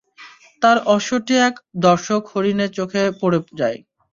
তার অশ্বটি এক দর্শক হরিণের চোখে পড়ে যায়।